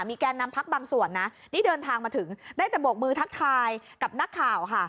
แกนนำพักบางส่วนนะนี่เดินทางมาถึงได้แต่โบกมือทักทายกับนักข่าวค่ะ